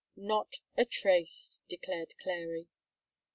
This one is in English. "Not a trace," declared Clary.